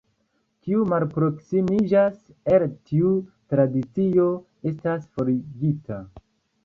Kiu malproksimiĝas el tiu Tradicio estas forigita.